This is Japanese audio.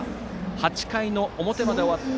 ８回の表まで終わって